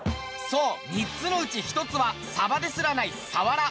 そう３つのうち１つはサバですらないサワラ！